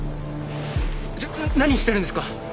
ちょっ何してるんですか？